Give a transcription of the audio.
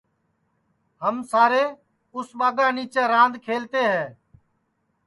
ہم سارے اُس ٻاگا کے نیچے راند کھلتے ہے